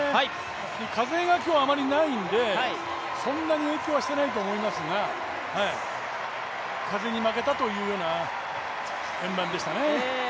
風が今日、あまりないのでそんなに影響はしてないと思いますが風に負けたというような円盤でしたね。